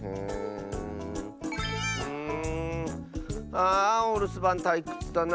あおるすばんたいくつだな。